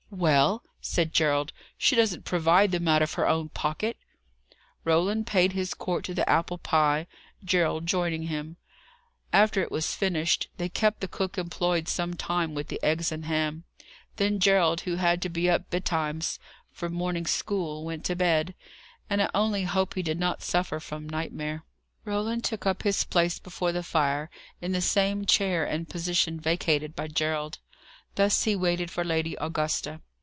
"Well?" said Gerald. "She doesn't provide them out of her own pocket." Roland paid his court to the apple pie, Gerald joining him. After it was finished, they kept the cook employed some time with the eggs and ham. Then Gerald, who had to be up betimes for morning school, went to bed; and I only hope he did not suffer from nightmare. Roland took up his place before the fire, in the same chair and position vacated by Gerald. Thus he waited for Lady Augusta.